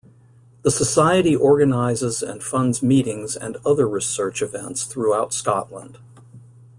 The Society organises and funds meetings and other research events throughout Scotland.